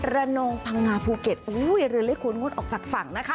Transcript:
ระนองพังงาภูเก็ตอุ้ยเรือเล็กควรงดออกจากฝั่งนะคะ